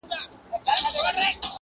زه د یویشتم قرن ښکلا ته مخامخ یم.